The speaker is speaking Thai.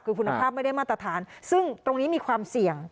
คือคุณภาพไม่ได้มาตรฐานซึ่งตรงนี้มีความเสี่ยง